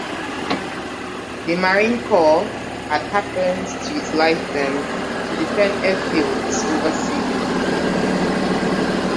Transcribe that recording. The Marine Corps had planned to utilize them to defend airfields overseas.